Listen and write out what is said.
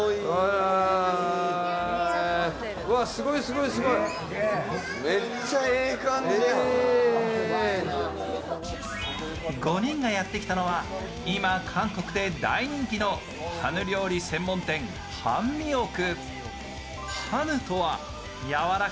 ラストは５人がやってきたのは今、韓国で大人気のハヌ料理専門店・ハンミオク。